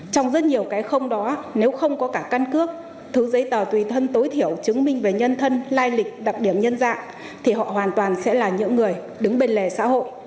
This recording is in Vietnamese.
trong rất nhiều cái không đó nếu không có cả căn cước thứ giấy tờ tùy thân tối thiểu chứng minh về nhân thân lai lịch đặc điểm nhân dạng thì họ hoàn toàn sẽ là những người đứng bên lề xã hội